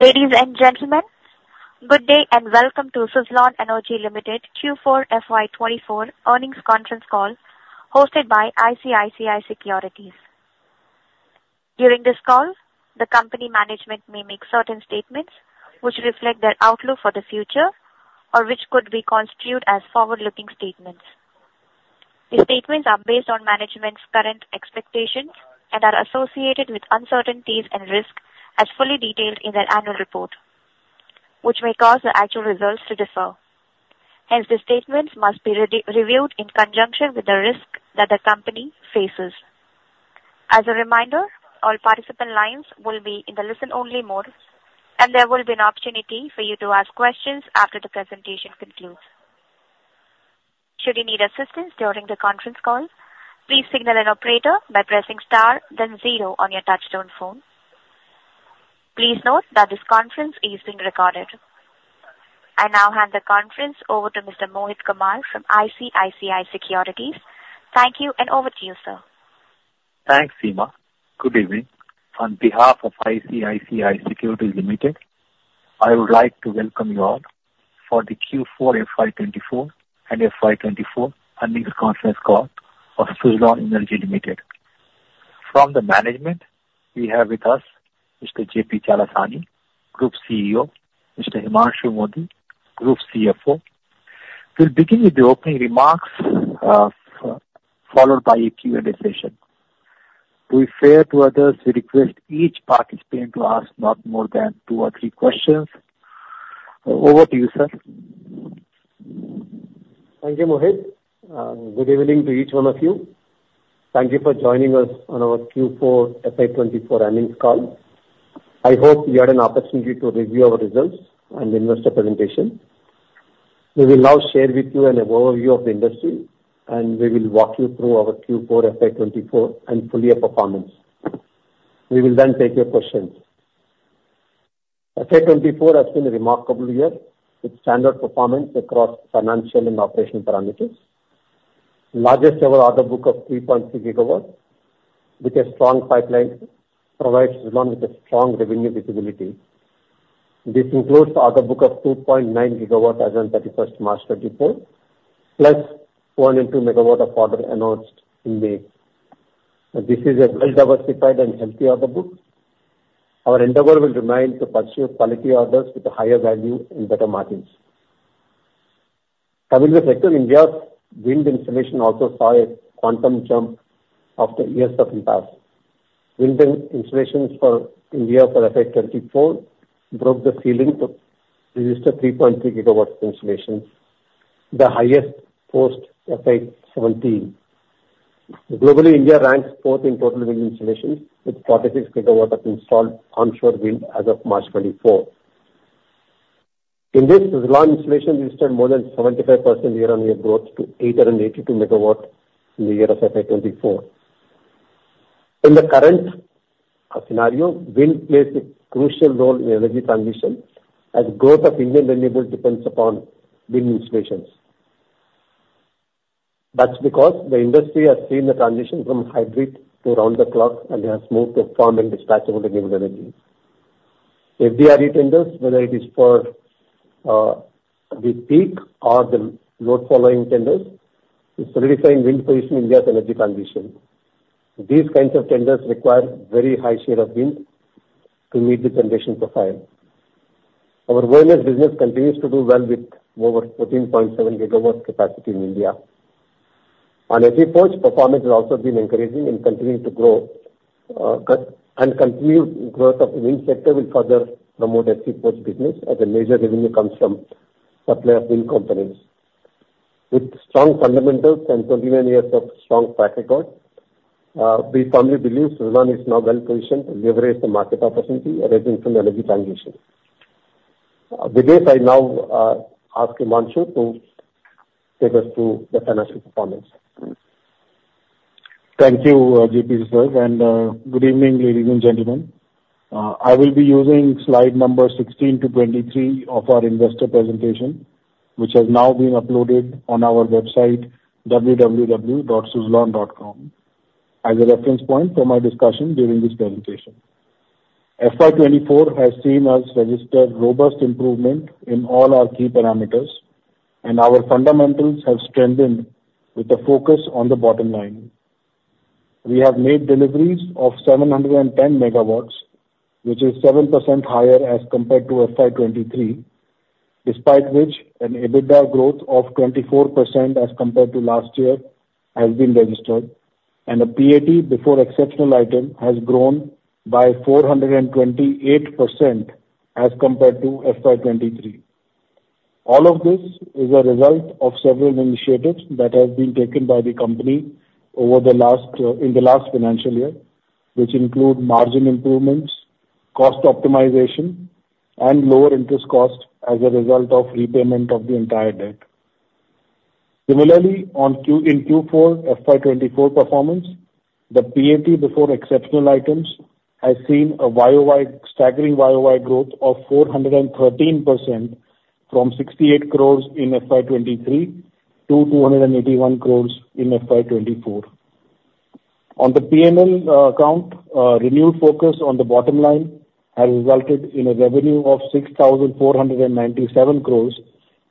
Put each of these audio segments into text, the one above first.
Ladies and gentlemen, good day, and welcome to Suzlon Energy Limited Q4 FY 2024 earnings conference call, hosted by ICICI Securities. During this call, the company management may make certain statements which reflect their outlook for the future, or which could be constituted as forward-looking statements. These statements are based on management's current expectations and are associated with uncertainties and risks, as fully detailed in their annual report, which may cause the actual results to differ. Hence, the statements must be reviewed in conjunction with the risk that the company faces. As a reminder, all participant lines will be in the listen-only mode, and there will be an opportunity for you to ask questions after the presentation concludes. Should you need assistance during the conference call, please signal an operator by pressing star then zero on your touchtone phone. Please note that this conference is being recorded. I now hand the conference over to Mr. Mohit Kumar from ICICI Securities. Thank you, and over to you, sir. Thanks, Seema. Good evening. On behalf of ICICI Securities Limited, I would like to welcome you all for the Q4 FY2024 and FY2024 earnings conference call of Suzlon Energy Limited. From the management, we have with us Mr. J.P. Chalasani, Group CEO, Mr. Himanshu Mody, Group CFO. We'll begin with the opening remarks, followed by a Q&A session. To be fair to others, we request each participant to ask not more than two or three questions. Over to you, sir. Thank you, Mohit. Good evening to each one of you. Thank you for joining us on our Q4 FY 2024 earnings call. I hope you had an opportunity to review our results and investor presentation. We will now share with you an overview of the industry, and we will walk you through our Q4 FY 2024 and full year performance. We will then take your questions. FY 2024 has been a remarkable year, with standard performance across financial and operational parameters. Largest ever order book of 3.3 GW, with a strong pipeline, provides Suzlon with a strong revenue visibility. This includes the order book of 2.9 GW as on 31 March 2024, plus 402 MW of order announced in May. This is a well-diversified and healthy order book. Our endeavor will remain to pursue quality orders with a higher value and better margins. Coming to the sector, India's wind installation also saw a quantum jump after years of impasse. Wind installations for India for FY 2024 broke the ceiling to register 3.3 GW installations, the highest post FY 2017. Globally, India ranks fourth in total wind installations, with 46 GW of installed onshore wind as of March 2024. In this, Suzlon installation registered more than 75% year-on-year growth to 882 MW in the year of FY 2024. In the current scenario, wind plays a crucial role in energy transition, as growth of Indian renewable depends upon wind installations. That's because the industry has seen the transition from hybrid to round-the-clock, and has moved to firm and dispatchable renewable energy. FDRE tenders, whether it is for the peak or the load following tenders, is solidifying wind position in India's energy transition. These kinds of tenders require very high share of wind to meet the transition profile. Our O&M business continues to do well with over 13.7 GW capacity in India. On energy storage, performance has also been encouraging and continuing to grow, but. Continued growth of the wind sector will further promote energy storage business, as a major revenue comes from supplier of wind components. With strong fundamentals and 29 years of strong track record, we firmly believe Suzlon is now well positioned to leverage the market opportunity arising from energy transition. With this, I now ask Himanshu to take us through the financial performance. Thank you, J.P. sir, and, good evening, ladies and gentlemen. I will be using slide number 16-23 of our investor presentation, which has now been uploaded on our website, www.suzlon.com, as a reference point for my discussion during this presentation. FY 2024 has seen us register robust improvement in all our key parameters, and our fundamentals have strengthened with a focus on the bottom line. We have made deliveries of 710 MW, which is 7% higher as compared to FY 2023. Despite which, an EBITDA growth of 24% as compared to last year, has been registered, and a PAT, before exceptional item, has grown by 428% as compared to FY 2023. All of this is a result of several initiatives that have been taken by the company over the last, in the last financial year, which include margin improvements, cost optimization, and lower interest cost as a result of repayment of the entire debt. Similarly, on Q4 FY 2024 performance, the PAT, before exceptional items, has seen a staggering YoY growth of 413% from 68 crore in FY 2023 to 281 crore in FY 2024. On the P&L account, renewed focus on the bottom line has resulted in a revenue of 6,497 crore,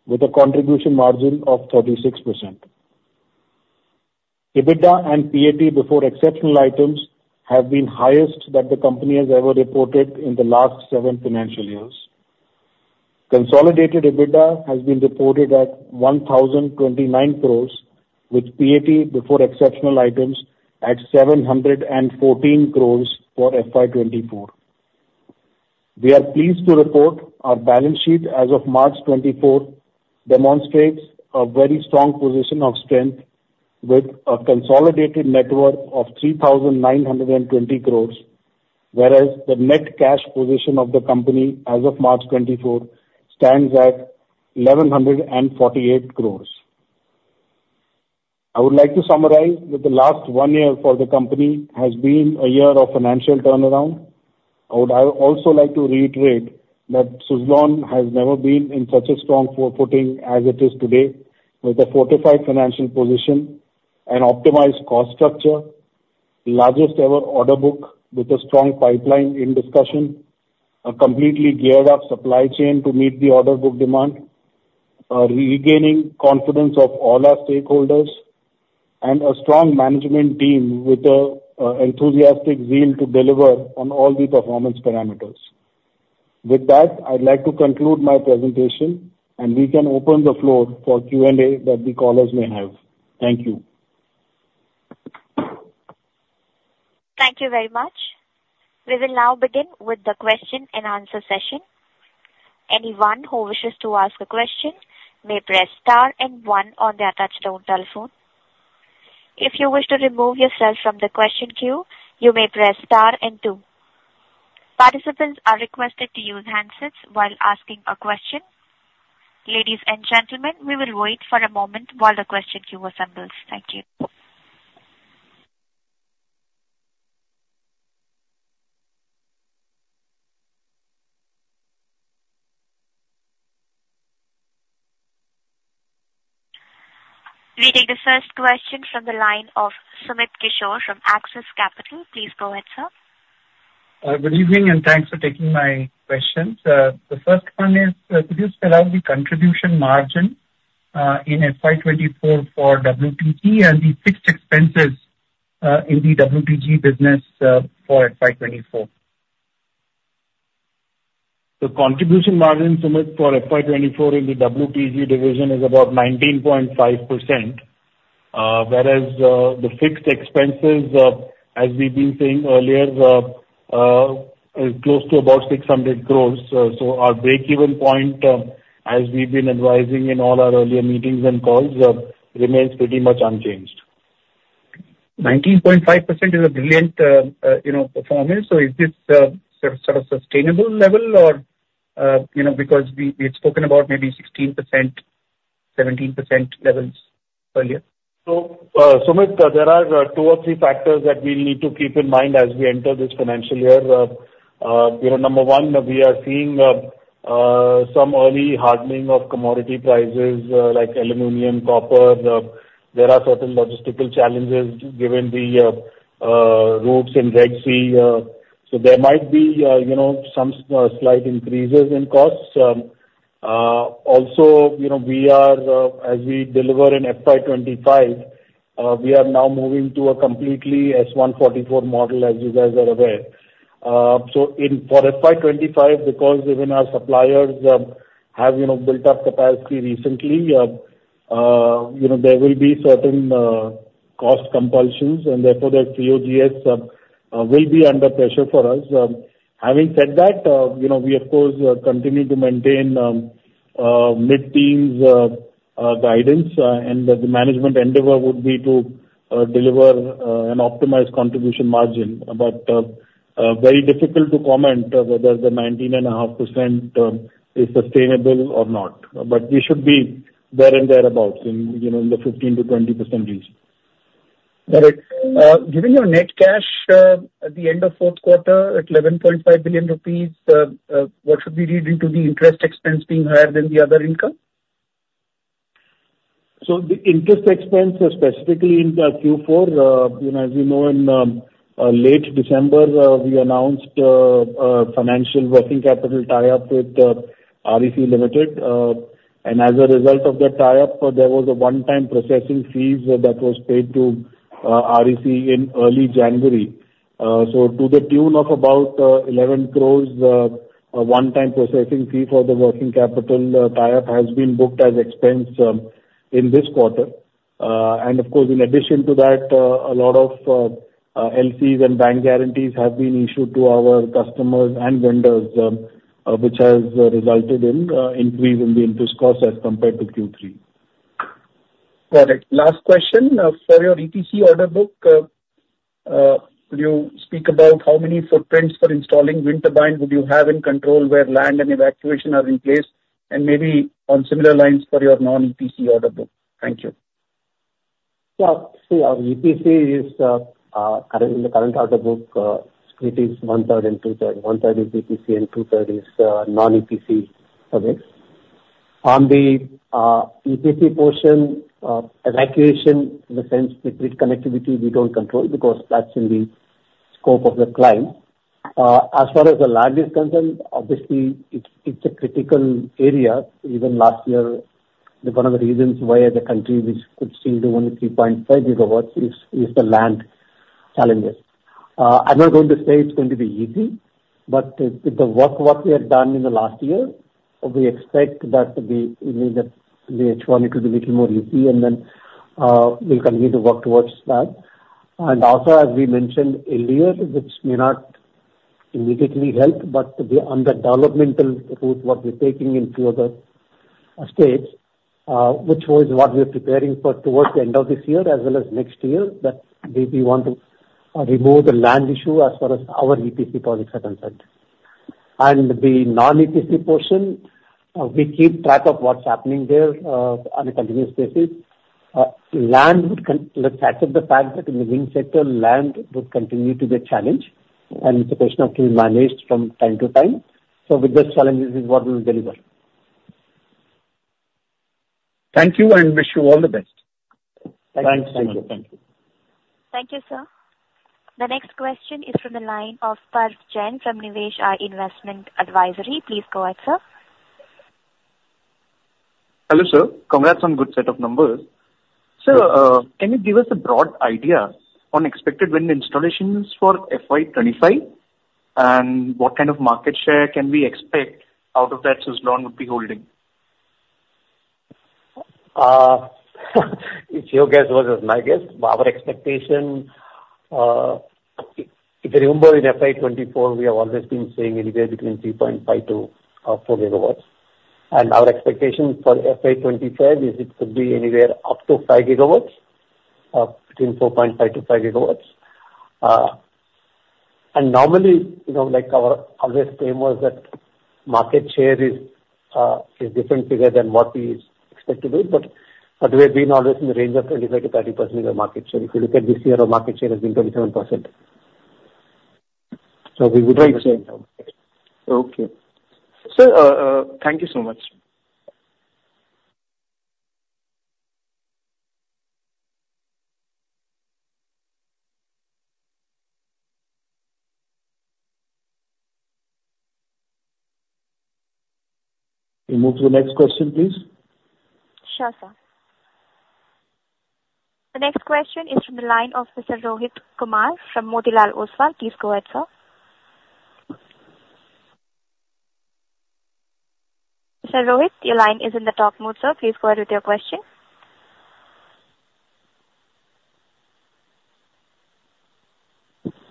with a contribution margin of 36%. EBITDA and PAT before exceptional items have been highest that the company has ever reported in the last seven financial years. Consolidated EBITDA has been reported at 1,029 crore, with PAT before exceptional items at 714 crore for FY 2024. We are pleased to report our balance sheet as of March 24th, 2024 demonstrates a very strong position of strength with a consolidated net worth of 3,920 crore, whereas the net cash position of the company as of March 2024 stands at 1,148 crore. I would like to summarize that the last one year for the company has been a year of financial turnaround. I would also like to reiterate that Suzlon has never been in such a strong footing as it is today, with a fortified financial position and optimized cost structure, largest ever order book with a strong pipeline in discussion, a completely geared up supply chain to meet the order book demand, regaining confidence of all our stakeholders, and a strong management team with a enthusiastic zeal to deliver on all the performance parameters. With that, I'd like to conclude my presentation, and we can open the floor for Q&A that the callers may have. Thank you. Thank you very much. We will now begin with the question and answer session. Anyone who wishes to ask a question may press star and one on their touchtone telephone. If you wish to remove yourself from the question queue, you may press star and two. Participants are requested to use handsets while asking a question. Ladies and gentlemen, we will wait for a moment while the question queue assembles. Thank you. We take the first question from the line of Sumit Kishore from Axis Capital. Please go ahead, sir. Good evening, and thanks for taking my questions. The first one is, could you spell out the contribution margin in FY 2024 for WTG and the fixed expenses in the WTG business for FY 2024? The contribution margin, Sumit, for FY 2024 in the WTG division is about 19.5%, whereas, the fixed expenses, as we've been saying earlier, is close to about 600 crore. So our break-even point, as we've been advising in all our earlier meetings and calls, remains pretty much unchanged. 19.5% is a brilliant, you know, performance. So is this sort of sustainable level or, you know, because we've spoken about maybe 16%, 17% levels earlier. So, Sumit, there are two or three factors that we need to keep in mind as we enter this financial year. You know, number one, we are seeing some early hardening of commodity prices, like aluminum, copper. There are certain logistical challenges given the routes in Red Sea, so there might be, you know, some slight increases in costs. Also, you know, we are, as we deliver in FY 2025, we are now moving to a completely S144 model, as you guys are aware. So, for FY 2025, because even our suppliers have, you know, built up capacity recently, you know, there will be certain cost compulsions, and therefore, the COGS will be under pressure for us. Having said that, you know, we of course continue to maintain mid-teens guidance, and the management endeavor would be to deliver an optimized contribution margin. But very difficult to comment whether the 19.5% is sustainable or not. But we should be there and thereabout, you know, in the 15%-20% range. Got it. Given your net cash at the end of fourth quarter at 11.5 billion rupees, what should we read into the interest expense being higher than the other income? So the interest expense specifically in Q4, you know, as you know, in late December, we announced financial working capital tie-up with REC Limited. And as a result of that tie-up, there was a one-time processing fees that was paid to REC in early January. So to the tune of about 11 crore, a one-time processing fee for the working capital tie-up has been booked as expense in this quarter. And of course, in addition to that, a lot of LCs and bank guarantees have been issued to our customers and vendors, which has resulted in increase in the interest costs as compared to Q3. Got it. Last question: for your EPC order book, could you speak about how many footprints for installing wind turbines would you have in control, where land and evacuation are in place, and maybe on similar lines for your non-EPC order book? Thank you. Yeah. See, our EPC is current, in the current order book, it is 1/3 and 2/3. One-third is EPC and 2/3 is non-EPC projects. On the EPC portion, evacuation, in the sense, the grid connectivity we don't control because that's in the scope of the client. As far as the land is concerned, obviously, it's a critical area. Even last year, one of the reasons why the country which could see the only 3.5 GW is the land challenges. I'm not going to say it's going to be easy, but with the work what we have done in the last year, we expect that to be, you know, that the H1 it will be little more easy, and then we'll continue to work towards that. And also, as we mentioned earlier, this may not immediately help, but on the developmental route, what we're taking into other states, which was what we are preparing for towards the end of this year as well as next year, that we want to remove the land issue as far as our EPC projects are concerned. And the non-EPC portion, we keep track of what's happening there, on a continuous basis. Land would continue to be a challenge, and it's a question of being managed from time to time. So with those challenges is what we'll deliver. Thank you, and wish you all the best. Thanks. Thank you. Thank you. Thank you, sir. The next question is from the line of Parth Jain from Nivesh India Investment Advisory. Please go ahead, sir. Hello, sir. Congrats on good set of numbers! Sir, can you give us a broad idea on expected wind installations for FY2025, and what kind of market share can we expect out of that Suzlon would be holding? It's your guess as well as my guess. But our expectation, if you remember, in FY 2024, we have always been saying anywhere between 3.5-4 GW. And our expectation for FY 2025 is it could be anywhere up to 5 GW, between 4.5-5 GW. And normally, you know, like, our always claim was that market share is a different figure than what we expect to do, but we have been always in the range of 25%-30% in the market share. If you look at this year, our market share has been 27%. So we would- Right. Okay. Sir, thank you so much. We move to the next question, please. Sure, sir. The next question is from the line of Mr. Rohit Kumar from Motilal Oswal. Please go ahead, sir. Mr. Rohit, your line is in the talk mode, sir. Please go ahead with your question.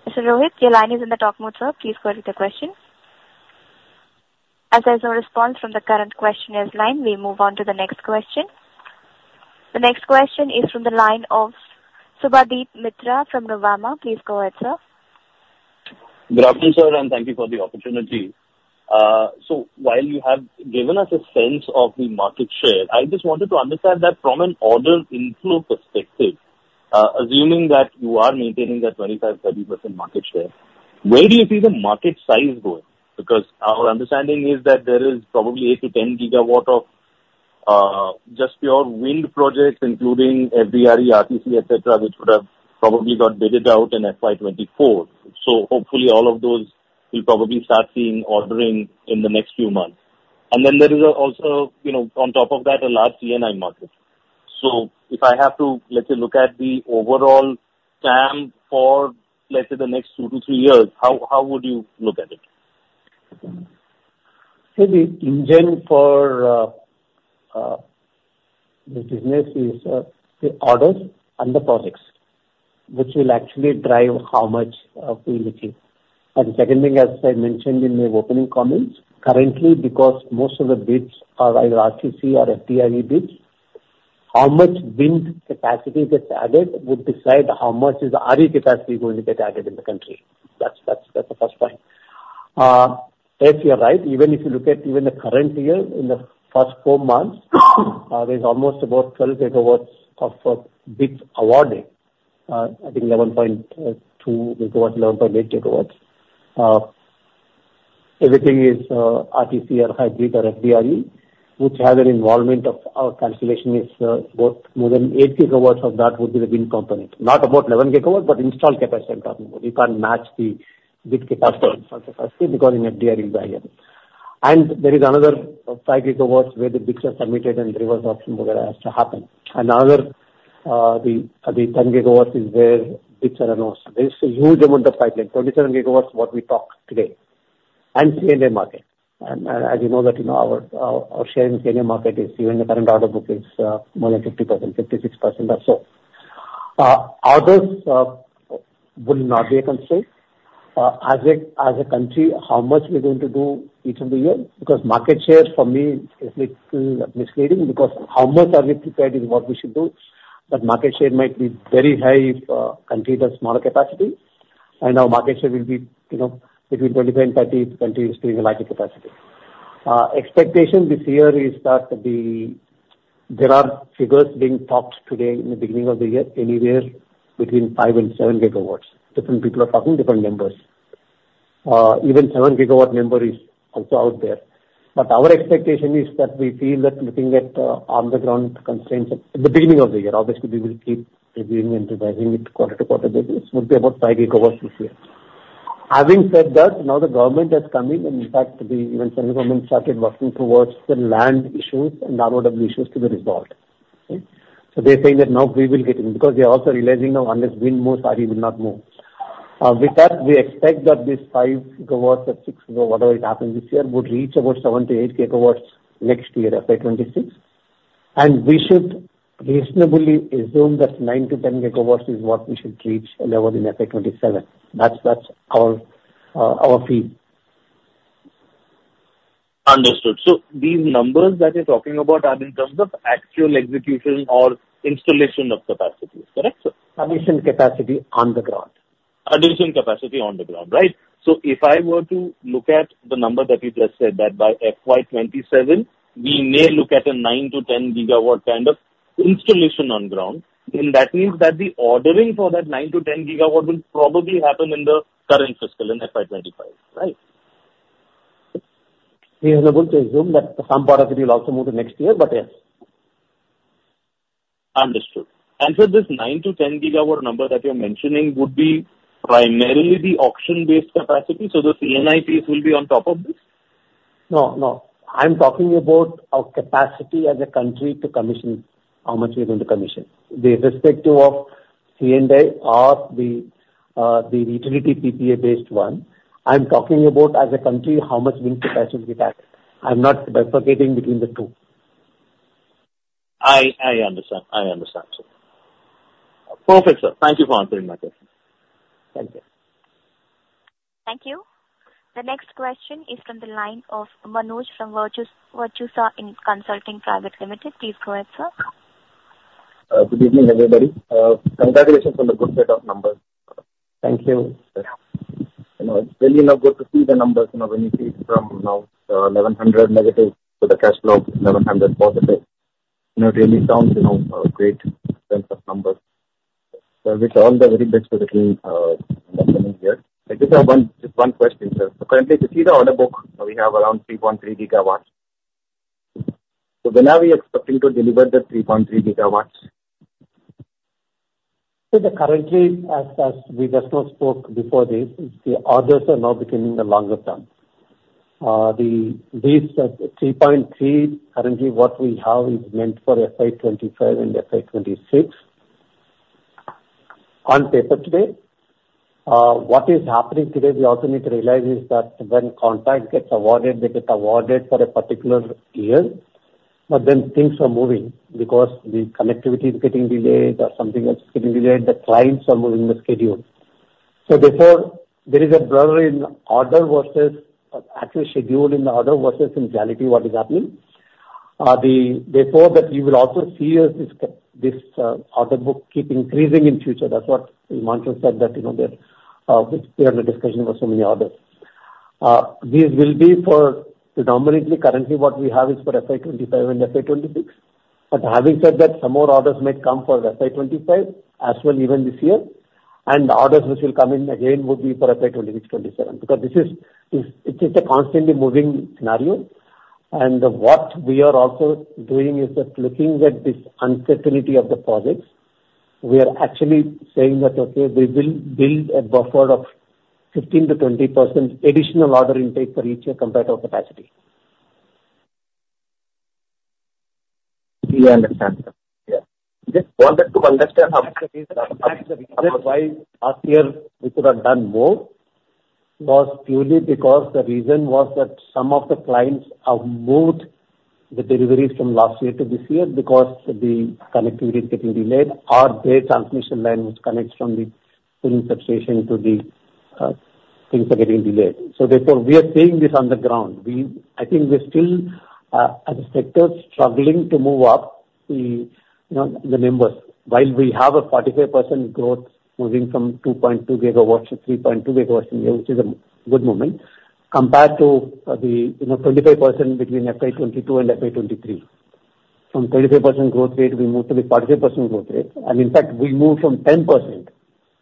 Mr. Rohit, your line is in the talk mode, sir, please go ahead with your question. As there's no response from the current questioner's line, we move on to the next question. The next question is from the line of Subhadip Mitra from Nuvama. Please go ahead, sir. Good afternoon, sir, and thank you for the opportunity. So while you have given us a sense of the market share, I just wanted to understand that from an order inflow perspective, assuming that you are maintaining that 25%-30% market share, where do you see the market size going? Because our understanding is that there is probably 8-10 GW of just pure wind projects, including FDRE, RTC, et cetera, which would have probably got bidded out in FY 2024. So hopefully, all of those will probably start seeing ordering in the next few months. And then there is also, you know, on top of that, a large C&I market. So if I have to, let's say, look at the overall TAM for, let's say, the next 2-3 years, how would you look at it? So the engine for the business is the orders and the projects, which will actually drive how much we will achieve. And the second thing, as I mentioned in my opening comments, currently, because most of the bids are either RTC or FDRE bids, how much wind capacity gets added would decide how much is RE capacity going to get added in the country. That's the first point. Yes, you're right. Even if you look at even the current year, in the first four months, there's almost about 12 GW of bids awarded. I think 11.2 GW, 11.8 GW. Everything is RTC or hybrid or FDRE, which has an involvement of... Our calculation is about more than 8 GW of that would be the wind component. Not about 11 GW, but installed capacity we're talking about. You can't match the bid capacity, because in FDRE you buy it. And there is another 5 GW where the bids are submitted, and reverse auction, where it has to happen. Another, the 10 GW is where bids are announced. There is a huge amount of pipeline, 27 GW, what we talked today, and C&I market. And, as you know that, you know, our share in C&I market is, even the current order book is, more than 50%, 56% or so. Others will not be a constraint. As a country, how much we're going to do each of the year, because market share for me is little misleading, because how much are we prepared is what we should do. But market share might be very high if country has smaller capacity, and our market share will be, you know, between 25%-30%, if country is doing a larger capacity. Expectation this year is that there are figures being talked today in the beginning of the year, anywhere between 5-7 GW. Different people are talking different numbers. Even 7 GW number is also out there. But our expectation is that we feel that looking at on the ground constraints at the beginning of the year, obviously, we will keep reviewing and revising it quarter-to-quarter basis, would be about 5 GW this year. Having said that, now the government has come in, and in fact, the central government started working towards the land issues and ROW issues to be resolved. Okay? So they're saying that now we will get in, because they are also realizing now unless wind moves, RE will not move. With that, we expect that this 5 GW or 6, whatever it happens this year, would reach about 7-8 GW next year, FY 2026. And we should reasonably assume that 9-10 GW is what we should reach a level in FY 2027. That's, that's our, our fee. Understood. So these numbers that you're talking about are in terms of actual execution or installation of capacities, correct, sir? Commissioned capacity on the ground. Commissioned capacity on the ground. Right. So if I were to look at the number that you just said, that by FY 2027, we may look at a 9-10 GW kind of installation on ground, then that means that the ordering for that 9-10 GW will probably happen in the current fiscal, in FY 2025, right? We are able to assume that some part of it will also move to next year, but yes. Understood. And so this 9-10 GW number that you're mentioning would be primarily the auction-based capacity, so the C&I piece will be on top of this? No, no. I'm talking about our capacity as a country to commission, how much we're going to commission. Irrespective of C&I or the utility PPA-based one, I'm talking about as a country, how much wind capacity we have. I'm not differentiating between the two. I understand. I understand, sir. Perfect, sir. Thank you for answering my question. Thank you. Thank you. The next question is from the line of Manoj from Virtusa Consulting Private Limited. Please go ahead, sir. Good evening, everybody. Congratulations on the good set of numbers. Thank you. You know, it's really, you know, good to see the numbers, you know, when you see from now, -1,100 to the cash flow, +1,100. You know, it really sounds, you know, great sense of numbers. So wish you all the very best for the coming, coming year. I just have one, just one question, sir. So currently, to see the order book, we have around 3.3 GW. So when are we expecting to deliver the 3.3 GW? So currently, as we just now spoke before this, the orders are now becoming the longer term. These 3.3, currently what we have is meant for FY 2025 and FY 2026. On paper today, what is happening today, we also need to realize is that when contract gets awarded, they get awarded for a particular year, but then things are moving because the connectivity is getting delayed or something else is getting delayed, the clients are moving the schedule. So therefore, there is a blur in order versus actual schedule and order versus in reality what is happening. Therefore, that you will also see is this, this order book keep increasing in future. That's what Himanshu said, that, you know, there, we are in a discussion for so many orders. This will be for predominantly currently what we have is for FY 2025 and FY 2026. But having said that, some more orders might come for FY 2025 as well, even this year. And the orders which will come in again would be for FY 2026, 2027, because this is- it's just a constantly moving scenario. And what we are also doing is just looking at this uncertainty of the projects, we are actually saying that, okay, we will build a buffer of 15%-20% additional order intake for each compared to capacity. I understand, sir. Yeah. Just wanted to understand- Actually, the reason why last year we could have done more, was purely because the reason was that some of the clients moved the deliveries from last year to this year because the connectivity getting delayed or their transmission line which connects from the substation to the things are getting delayed. So therefore, we are seeing this on the ground. We... I think we're still, as a sector, struggling to move up the, you know, the numbers. While we have a 45% growth moving from 2.2 GW to 3.2 GW in a year, which is a good movement, compared to, the, you know, 25% between FY 2022 and FY 2023. From 25% growth rate, we moved to the 45% growth rate, and in fact, we moved from 10%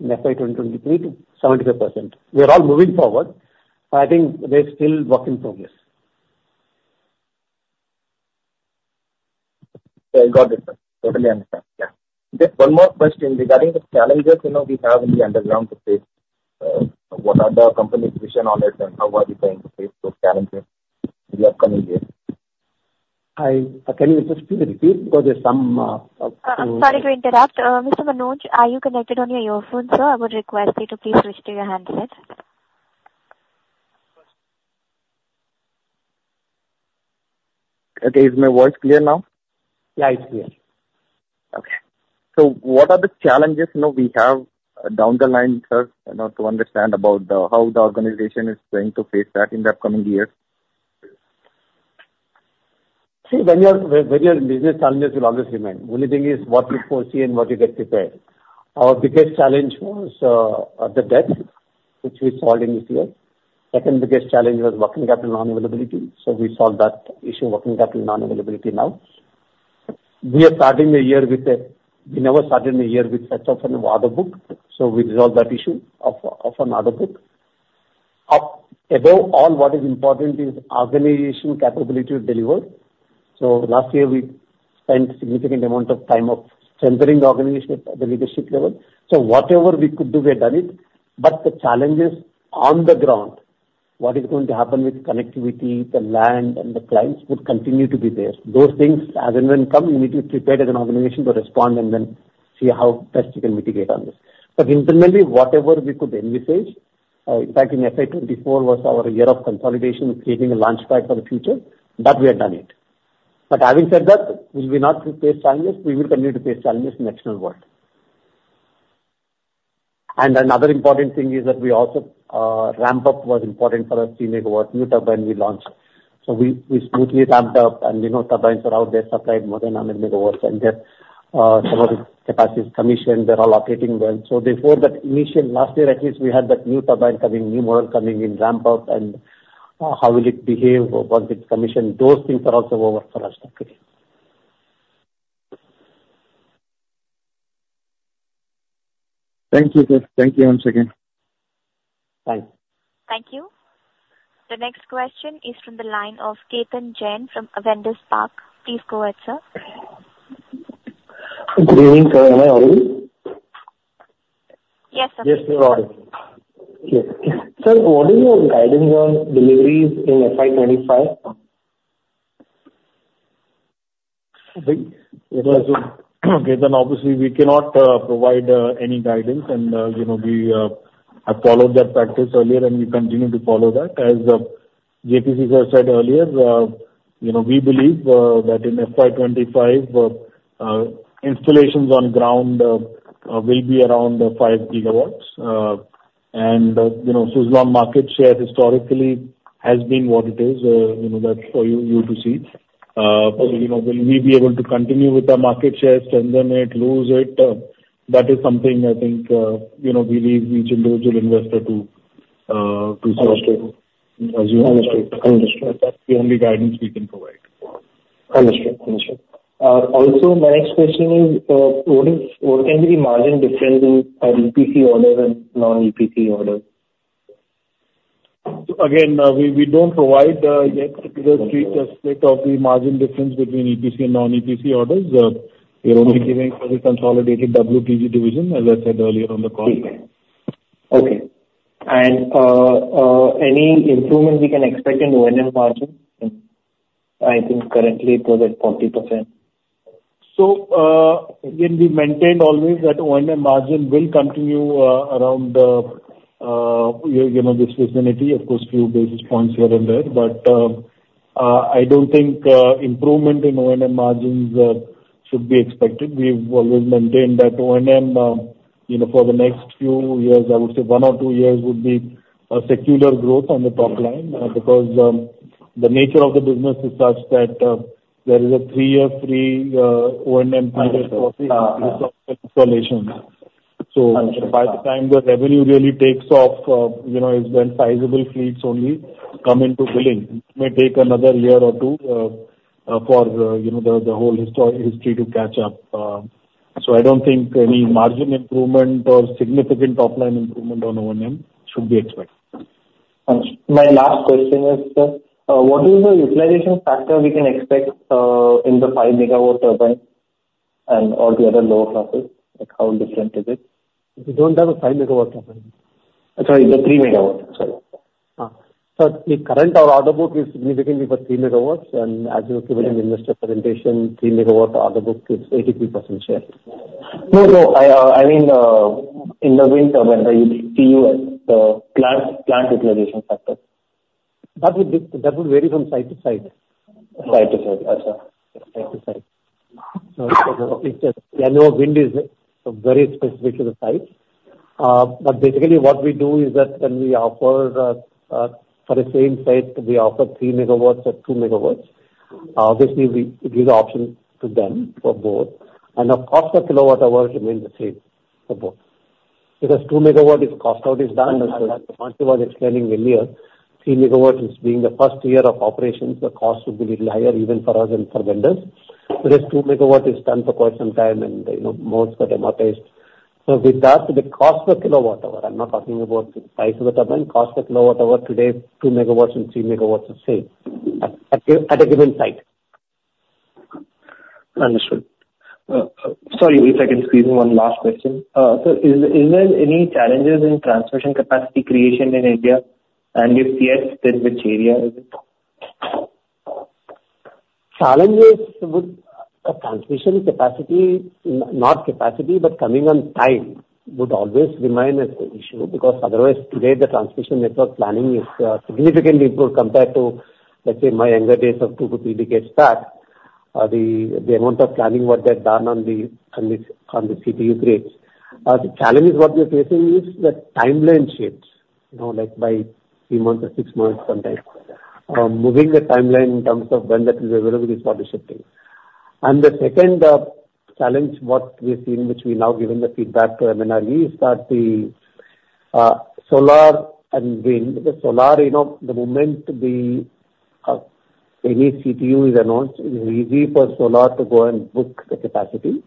in FY 2023 to 75%. We are all moving forward, but I think we're still work in progress. Yeah, I got it, sir. Totally understand. Yeah. Just one more question regarding the challenges, you know, we have in the underground space. What are the company's vision on it, and how are you going to face those challenges in the upcoming year? Can you just please repeat, because there's some, I'm sorry to interrupt. Mr. Manoj, are you connected on your earphones, sir? I would request you to please switch to your handset. Okay. Is my voice clear now? Yeah, it's clear. Okay. So what are the challenges, you know, we have down the line, sir, you know, to understand about the, how the organization is going to face that in the upcoming years? See, various business challenges will always remain. Only thing is what you foresee and what you get prepared. Our biggest challenge was the debt, which we solved in this year. Second biggest challenge was working capital non-availability, so we solved that issue, working capital non-availability now. We are starting the year with, we never started the year with such of an order book, so we resolve that issue of an order book. Above all, what is important is organization capability to deliver. So last year, we spent significant amount of time of centering the organization at the leadership level. So whatever we could do, we have done it. But the challenge is on the ground, what is going to happen with connectivity, the land, and the clients would continue to be there. Those things, as and when come, you need to be prepared as an organization to respond and then see how best you can mitigate on this. But internally, whatever we could envisage, in fact, in FY 2024 was our year of consolidation, creating a launchpad for the future, that we have done it. But having said that, will we not face challenges? We will continue to face challenges in external world. And another important thing is that we also, ramp up was important for us, 3 MW new turbine we launched. So we, we smoothly ramped up, and you know, turbines are out there, supplied more than 100 MW, and they're, some of the capacity is commissioned, they're all operating well. So before that initial, last year at least, we had that new turbine coming, new model coming in ramp up, and, how will it behave once it's commissioned? Those things are also over for us now. Thank you, sir. Thank you once again. Thanks. Thank you. The next question is from the line of Ketan Jain from Avendus Spark. Please go ahead, sir. Good evening, sir. Am I audible? Yes, sir. Yes, you are. Yes. Sir, what is your guidance on deliveries in FY25? I think, Ketan, obviously, we cannot provide any guidance, and, you know, we have followed that practice earlier, and we continue to follow that. As, J.P.C. has said earlier, you know, we believe that in FY 2025, installations on ground will be around 5 GW. And, you know, Suzlon market share historically has been what it is, you know, that's for you, you to see. You know, will we be able to continue with our market share, strengthen it, lose it, that is something I think, you know, we leave each individual investor to, to solve. Understood. Understood. That's the only guidance we can provide. Understood. Understood. Also, my next question is, what is, what can be the margin difference in EPC orders and non-EPC orders? So again, we don't provide yet the street aspect of the margin difference between EPC and non-EPC orders. We're only giving the consolidated WTG division, as I said earlier on the call. Okay. And any improvement we can expect in O&M margin? I think currently it was at 40%. So, when we maintained always that O&M margin will continue, around, you know, this vicinity, of course, few basis points here and there. But, I don't think, improvement in O&M margins should be expected. We've always maintained that O&M, you know, for the next few years, I would say one or two years, would be a secular growth on the top line. Because, the nature of the business is such that, there is a three-year free O&M period for the installation. Understood. So by the time the revenue really takes off, you know, it's when sizable fleets only come into billing. It may take another year or two, for you know, the whole history to catch up. So I don't think any margin improvement or significant top-line improvement on O&M should be expected. Understood. My last question is, what is the utilization factor we can expect in the 5 MW turbine and all the other lower classes? Like, how different is it? We don't have a 5 MW turbine. Sorry, the 3 MW, sorry. So the current, our order book is significantly for 3 MW. And as you were given in the presentation, 3 MW order book is 82% share. No, no, I mean, in the wind turbine, the CUF plant utilization factor. That would vary from site to site. Site to site. I, sir. Site to site. So, you know, wind is very specific to the site. But basically, what we do is that when we offer, for the same site, we offer 3 MW or 2 MW, obviously we give the option to them for both. And of course, the kilowatt-hour remains the same for both. Because 2 MW, if cost out is done- Understood. As Himanshu was explaining earlier, 3 MW, being the first year of operations, the cost would be a little higher even for us and for vendors. Whereas 2 MW is done for quite some time, and, you know, most are amortized. So with that, the cost per kWh, I'm not talking about the price of the turbine, cost per kWh today, 2 MW and 3 MW is the same, at a, at a given site. Understood. Sorry, eight seconds please, one last question. So, is there any challenges in transmission capacity creation in India? And if yes, then which area is it? Challenges with transmission capacity, not capacity, but coming on time, would always remain as an issue, because otherwise, today, the transmission network planning is significantly improved compared to, let's say, my younger days of two to three decades back. The amount of planning work they've done on the CTU grids. The challenges what we're facing is that timeline shifts, you know, like by three months or six months, sometimes. Moving the timeline in terms of when that is available is one shifting. And the second challenge what we've seen, which we've now given the feedback to MNRE, is that the solar and wind. Because solar, you know, the moment any CTU is announced, it's easy for solar to go and book the capacity.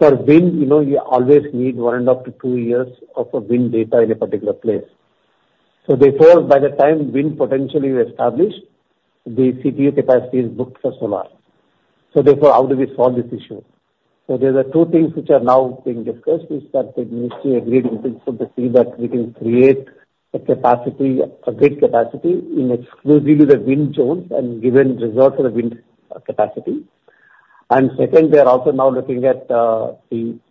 For wind, you know, you always need one and up to two years of a wind data in a particular place. So therefore, by the time wind potentially is established, the CTU capacity is booked for solar. So therefore, how do we solve this issue? So there are two things which are now being discussed, is that the ministry agreed in principle to see that we can create a capacity, a great capacity in exclusively the wind zones and give in reserve for the wind, capacity. And second, we are also now looking at, the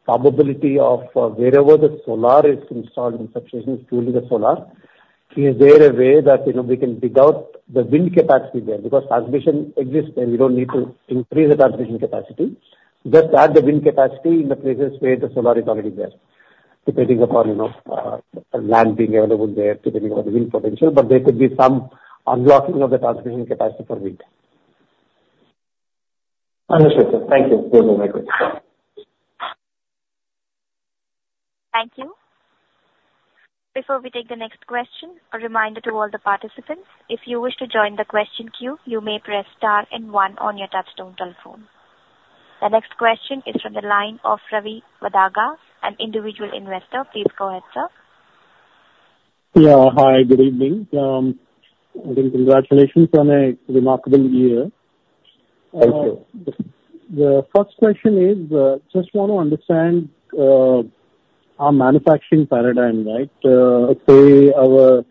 probability of, wherever the solar is installed in such cases, purely the solar, is there a way that, you know, we can dig out the wind capacity there? Because transmission exists there, we don't need to increase the transmission capacity. Just add the wind capacity in the places where the solar is already there, depending upon, you know, land being available there, depending on the wind potential, but there could be some unblocking of the transmission capacity for wind. Understood, sir. Thank you. Very, very good. Thank you. Before we take the next question, a reminder to all the participants. If you wish to join the question queue, you may press star and one on your touchtone telephone. The next question is from the line of Ravi Vadaga, an individual investor. Please go ahead, sir. Yeah. Hi, good evening. Again, congratulations on a remarkable year. Thank you. The first question is, just want to understand, our manufacturing paradigm, right? Say, our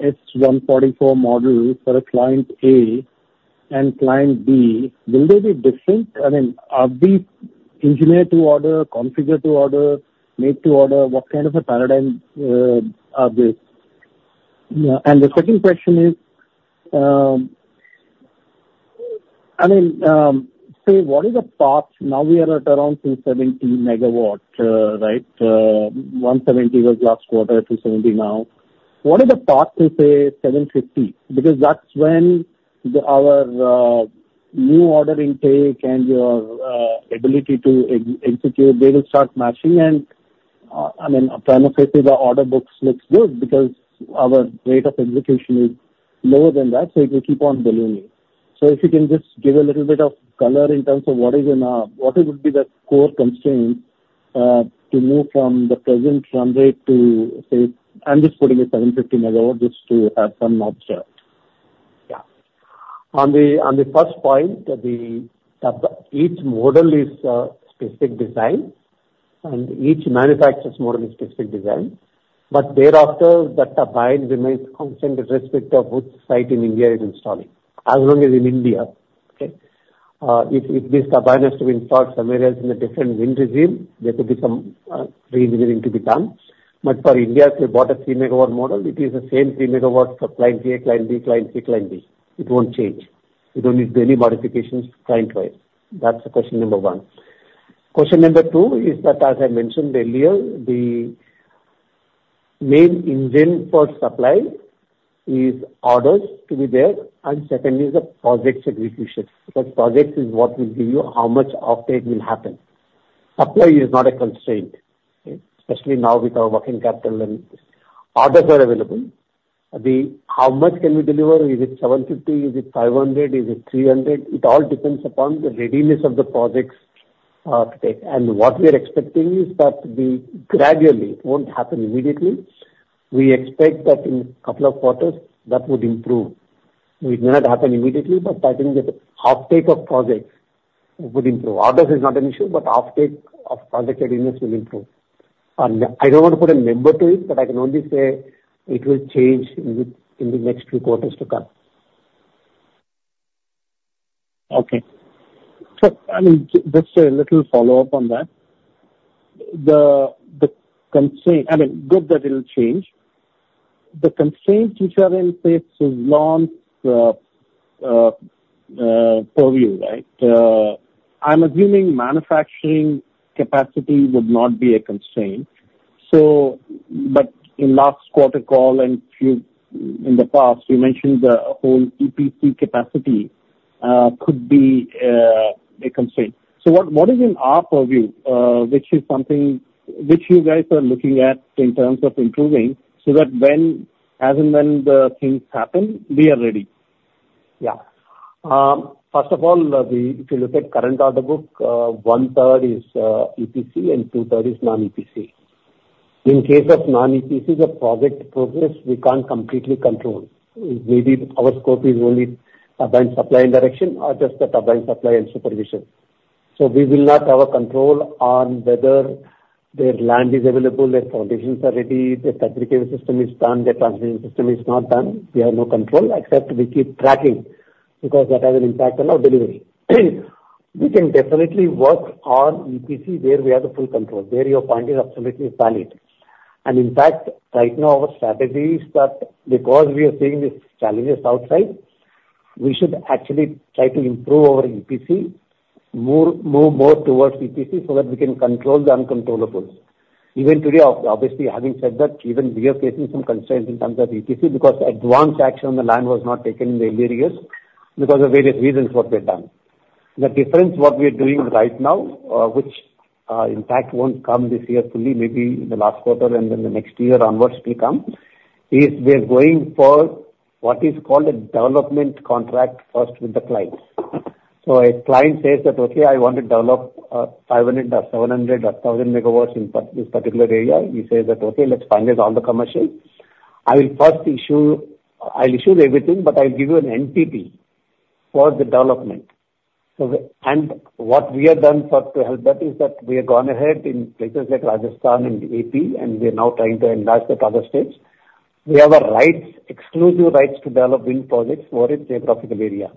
S144 model for a client A and client B, will they be different? I mean, are we engineer to order, configure to order, made to order? What kind of a paradigm, are they? And the second question is, I mean, say, what is the path... Now we are at around 270 MW, right? 170 was last quarter, 270 now. What is the path to, say, 750? Because that's when the, our, new order intake and your, ability to execute, they will start matching. And, I mean, frankly the order books looks good because our rate of execution is lower than that, so it will keep on ballooning. So if you can just give a little bit of color in terms of what would be the core constraint to move from the present run rate to, say, I'm just putting a 750 MW just to have some observed. Yeah. On the, on the first point, the, each model is, specific design, and each manufacturer's model is specific design, but thereafter, the turbine remains constant with respect of which site in India is installing, as long as in India, okay? If, if this turbine has to be installed somewhere else in a different wind regime, there could be some, re-engineering to be done. But for India, if you bought a 3 MW model, it is the same 3 MW for client A, client B, client C, client D. It won't change. You don't need any modifications client-wise. That's the question number one. Question number two is that, as I mentioned earlier, the main engine for supply is orders to be there, and secondly is the project execution, because projects is what will give you how much offtake will happen. Supply is not a constraint, okay? Especially now with our working capital and orders are available. The... How much can we deliver? Is it 750? Is it 500? Is it 300? It all depends upon the readiness of the projects to take. And what we are expecting is that the gradually, it won't happen immediately. We expect that in couple of quarters, that would improve. It may not happen immediately, but I think the offtake of projects would improve. Orders is not an issue, but offtake of project readiness will improve. And I don't want to put a number to it, but I can only say it will change in the, in the next few quarters to come. Okay. So I mean, just a little follow-up on that. The, the constraint—I mean, good that it'll change. The constraints which are in place is not in purview, right? I'm assuming manufacturing capacity would not be a constraint. So, but in last quarter call and few in the past, you mentioned the whole EPC capacity could be a constraint. So what, what is in our purview, which is something which you guys are looking at in terms of improving, so that when, as and when the things happen, we are ready? Yeah. First of all, if you look at current order book, one-third is EPC and two-thirds is non-EPC. In case of non-EPC, the project progress we can't completely control. Maybe our scope is only turbine supply and erection, or just the turbine supply and supervision. So we will not have a control on whether their land is available, their foundations are ready, their fabrication system is done, their transmission system is not done. We have no control, except we keep tracking, because that has an impact on our delivery. We can definitely work on EPC, where we have the full control. There, your point is absolutely valid. And in fact, right now, our strategy is that because we are seeing these challenges outside, we should actually try to improve our EPC, more, move more towards EPC, so that we can control the uncontrollables. Even today, obviously, having said that, even we are facing some constraints in terms of EPC, because advanced action on the land was not taken in the earlier years because of various reasons what they've done. The difference what we are doing right now, which, in fact, won't come this year fully, maybe in the last quarter and then the next year onwards it will come, is we are going for what is called a development contract first with the client. So a client says that, "Okay, I want to develop 500 or 700 or 1,000 MW in this particular area." We say that, "Okay, let's finalize all the commercial." I will first issue—I'll issue everything, but I'll give you an NTP for the development. So the... What we have done for, to help that, is that we have gone ahead in places like Rajasthan and AP, and we are now trying to enlarge to other states. We have rights, exclusive rights to develop wind projects for a geographical area.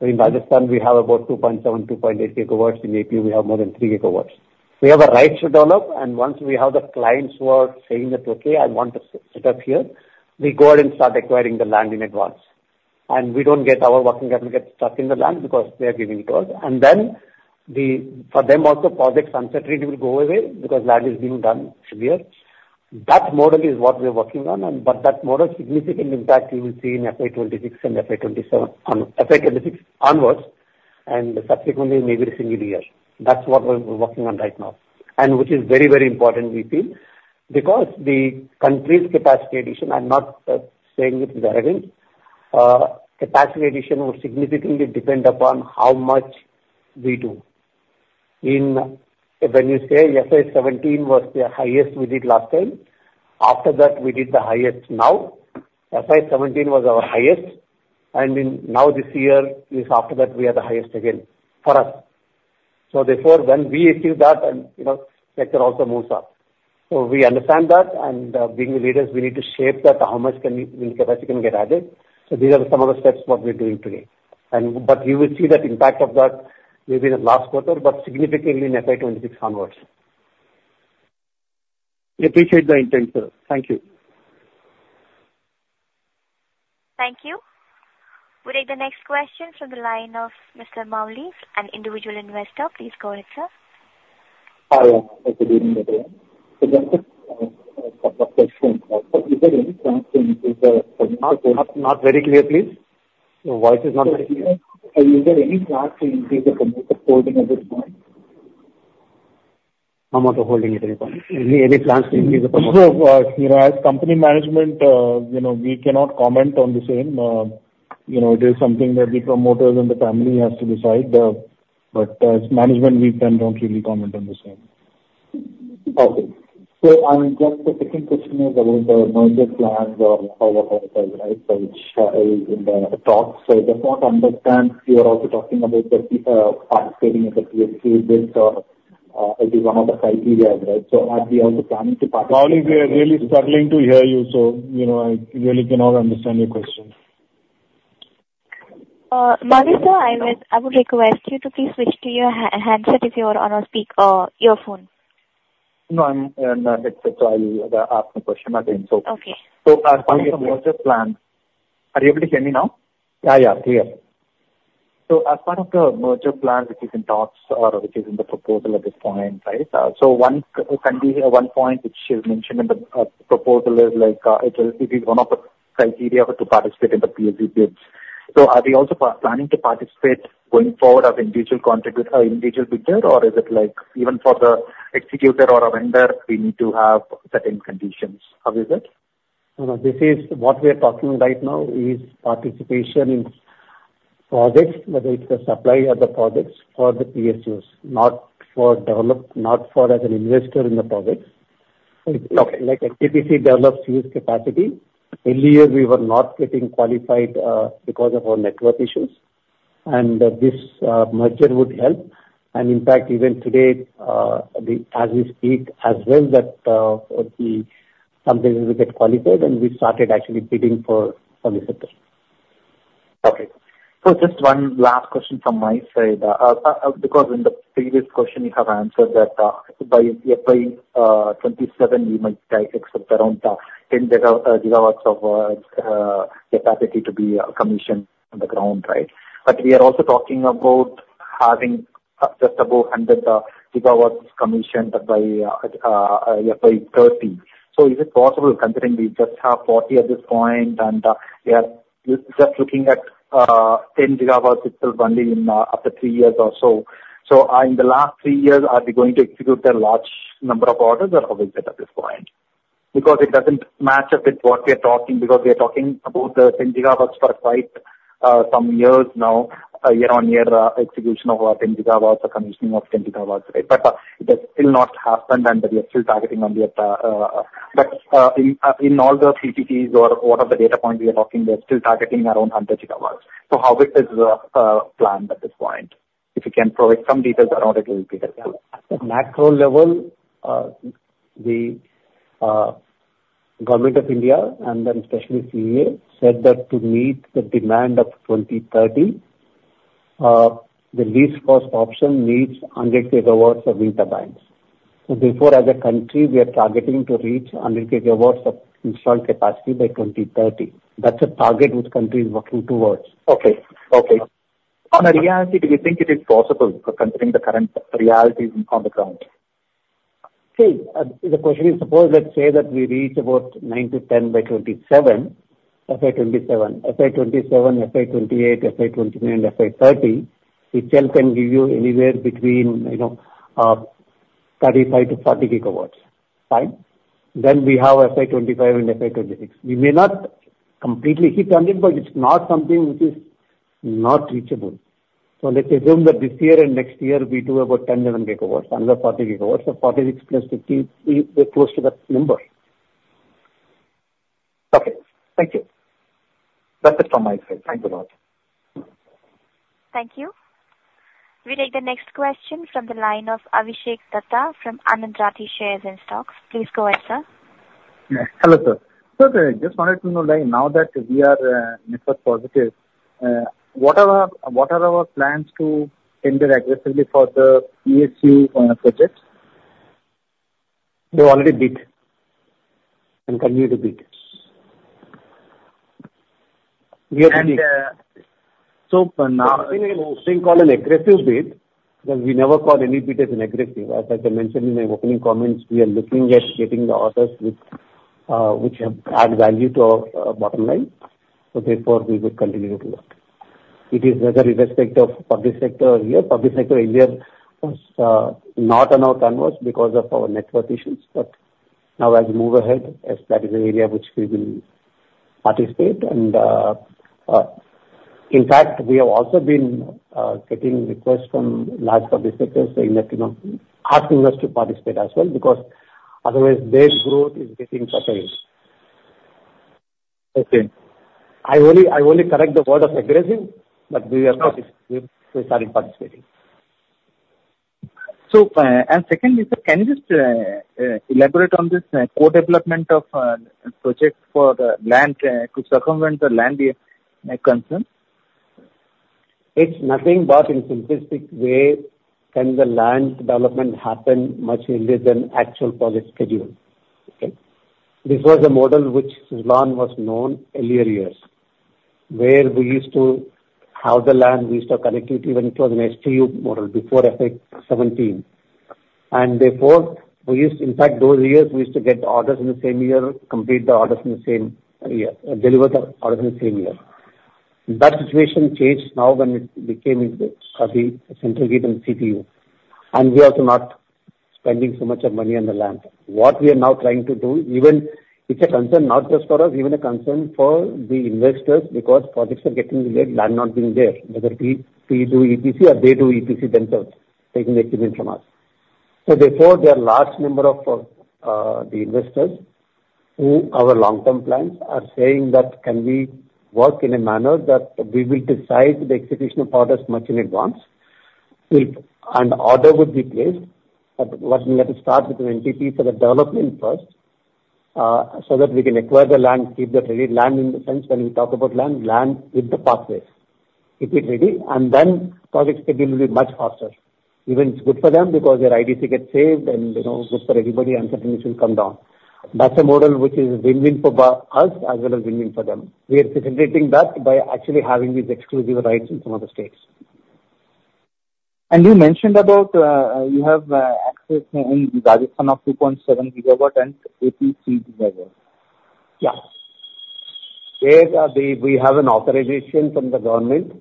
So in Rajasthan, we have about 2.7-2.8 GW. In AP, we have more than 3 GW. We have a right to develop, and once we have the clients who are saying that, "Okay, I want to set up here," we go ahead and start acquiring the land in advance. And we don't get our working capital get stuck in the land because we are giving it to us. And then the, for them also, project sunset treaty will go away because land is being done here. That model is what we're working on and, but that model, significant impact you will see in FY 2026 and FY 2027, on FY 2026 onwards, and subsequently, maybe every single year. That's what we're, we're working on right now, and which is very, very important we feel, because the country's capacity addition, I'm not saying it wrongly, capacity addition would significantly depend upon how much we do. In, when you say FY 2017 was the highest we did last time, after that, we did the highest now. FY 2017 was our highest, and in, now this year, is after that, we are the highest again, for us. So therefore, when we achieve that and, you know, sector also moves up. So we understand that, and, being the leaders, we need to shape that, how much can we, wind capacity can get added. These are some of the steps what we're doing today. But you will see that impact of that maybe in the last quarter, but significantly in FY 2026 onwards. We appreciate the intent, sir. Thank you. Thank you. We take the next question from the line of Mr. Maulik, an individual investor. Please go ahead, sir. Not very clear, please. Your voice is not very clear. Amount of holding at this point. Any plans to increase the holding? You know, as company management, you know, we cannot comment on the same. You know, it is something that the promoters and the family has to decide. But as management, we can not really comment on the same. Maulik, we are really struggling to hear you, so, you know, I really cannot understand your question. Maulik, sir, I would request you to please switch to your handset if you are on a speakerphone. No, I'm... it's... I'll ask the question again, so. Okay. As part of the merger plan - Are you able to hear me now? Yeah, yeah. Clear. So as part of the merger plan, which is in talks or which is in the proposal at this point, right? So one, can we hear one point which is mentioned in the proposal is like, it will, it is one of the criteria to participate in the PSU bids. So are we also planning to participate going forward as individual contributor, individual bidder? Or is it, like, even for the executor or a vendor, we need to have certain conditions? How is it? No, no, this is what we are talking right now is participation in projects, whether it's the supply of the projects for the PSUs, not for develop, not for as an investor in the projects. Okay. Like a NTPC develops huge capacity. Earlier, we were not getting qualified because of our network issues, and this merger would help. And in fact, even today, as we speak as well, the companies will get qualified, and we started actually bidding for some assets. Okay. So just one last question from my side. Because in the previous question you have answered that, by FY 2027, you might have around 10 GW of capacity to be commissioned on the ground, right? But we are also talking about having just above 100 gigawatts commissioned by 30. So is it possible, considering we just have 40 at this point, and we are just looking at 10 gigawatts itself only in after 3 years or so. So, in the last 3 years, are we going to execute a large number of orders or how is it at this point? Because it doesn't match up with what we are talking, because we are talking about 10 GW for quite some years now, year-on-year execution of 10 GW, the commissioning of 10 GW, right? But it has still not happened, and we are still targeting on the... But in all the CTTs or all of the data points we are talking, we are still targeting around 100 GW. So how is this planned at this point? If you can provide some details around it, it will be helpful. At the macro level, the government of India and then especially CEA said that to meet the demand of 2030, the least cost option needs 100 GW of wind turbines. So therefore, as a country, we are targeting to reach 100 GW of installed capacity by 2030. That's a target which country is working towards. Okay. Okay. In reality, do you think it is possible, considering the current reality on the ground?... See, the question is, suppose let's say that we reach about 9-10 by 2027, FY 2027. FY 2027, FY 2028, FY 2029, and FY 2030, which then can give you anywhere between, you know, 35-40 GW, right? Then we have FY 2025 and FY 2026. We may not completely hit 100, but it's not something which is not reachable. So let's assume that this year and next year, we do about 10 million GW, another 40 GW. So 46 + 50, we, we're close to that number. Okay, thank you. That's it from my side. Thank you very much. Thank you. We take the next question from the line of Abhishek Datta from Anand Rathi Shares and Stock Brokers. Please go ahead, sir. Yeah. Hello, sir. I just wanted to know, like, now that we are net worth positive, what are our plans to tender aggressively for the PSU projects? We already bid and continue to bid. And, so now- Nothing I would call an aggressive bid, because we never call any bid as an aggressive. As I mentioned in my opening comments, we are looking at getting the orders which, which add value to our, bottom line, so therefore we will continue to do that. It is whether with respect of public sector or here. Public sector, India was, not on our canvas because of our network issues, but now as we move ahead, yes, that is an area which we will participate. And, in fact, we have also been, getting requests from large public sectors saying that, you know, asking us to participate as well, because otherwise their growth is getting curtailed. Okay. I only, I only correct the word "aggressive," but we are not participating. So, and secondly, sir, can you just elaborate on this co-development of projects for the land to circumvent the land concern? It's nothing but in simplistic way, can the land development happen much earlier than actual project schedule? Okay. This was a model which Suzlon was known earlier years, where we used to have the land, we used to connect it even it was an STU model before FY 2017. And therefore, we used... In fact, those years we used to get the orders in the same year, complete the orders in the same year, deliver the orders in the same year. That situation changed now when it became a CTU, and we are also not spending so much of money on the land. What we are now trying to do, even it's a concern not just for us, even a concern for the investors, because projects are getting delayed, land not being there, whether we do EPC or they do EPC themselves, taking the EPC from us. So therefore, there are large number of the investors whose long-term plans are saying that can we work in a manner that we will decide the execution of orders much in advance? If an order would be placed, but what we have to start with an NTP for the development first, so that we can acquire the land, keep that ready. Land in the sense, when we talk about land, land with the pathways. Keep it ready, and then project schedule will be much faster. Even it's good for them because their IDT gets saved and, you know, good for everybody, and certainly it will come down. That's a model which is win-win for us, as well as win-win for them. We are facilitating that by actually having these exclusive rights in some of the states. You mentioned about you have access in Rajasthan of 2.7 GW and AP 3 GW. Yeah. We have an authorization from the government,